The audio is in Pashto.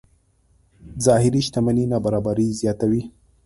ظاهري شتمنۍ نابرابرۍ زیاتوي.